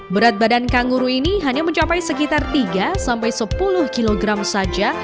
berat badan kanguru ini hanya mencapai sekitar tiga sampai sepuluh kilogram saja